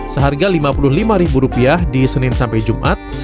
seharga rp lima puluh lima di senin sampai jumat